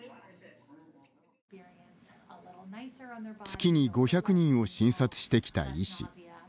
月に５００人を診察してきた医師。